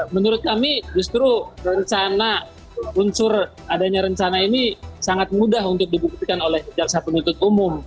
menurut kami justru rencana unsur adanya rencana ini sangat mudah untuk dibuktikan oleh jaksa penuntut umum